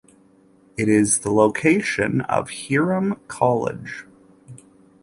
It is the location of Hiram College.